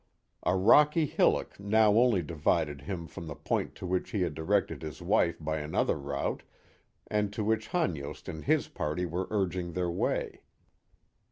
A rocky hillock now only divided him from the point to which he had directed his wife by another route, and to which Hanyost and his party were urging their way.